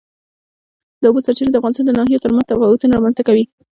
د اوبو سرچینې د افغانستان د ناحیو ترمنځ تفاوتونه رامنځ ته کوي.